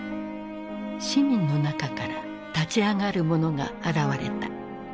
市民の中から立ち上がる者が現れた。